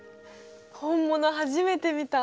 本物初めて見た。